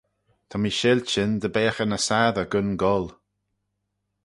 Ta mee sheiltyn dy beagh eh ny sassey gyn goll.